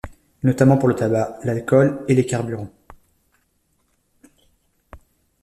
Notamment pour le tabac, l'alcool et les carburants.